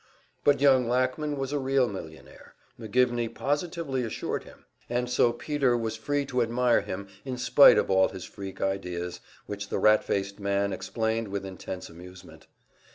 But young Lackman was a real millionaire, McGivney positively assured him; and so Peter was free to admire him in spite of all his freak ideas, which the rat faced man explained with intense amusement.